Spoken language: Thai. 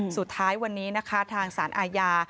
สุดท้ายวันนี้นะคะทางสารอาญา